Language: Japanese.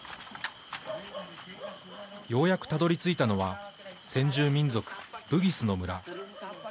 ようやくたどりついたのは先住民族ブギス族の村。